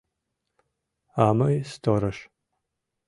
А мый — сторож.